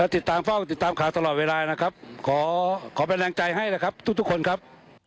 ติดตามเข้าติดตามขาเวลาครับขอแปลงใจให้นะครับทุกคนครับ